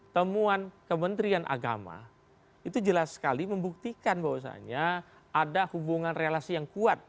temuan kementerian agama itu jelas sekali membuktikan bahwasannya ada hubungan relasi yang kuat